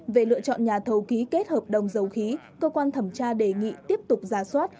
về lựa chọn nhà thầu ký kết hợp đồng dầu khí cơ quan thẩm tra đề nghị tiếp tục ra soát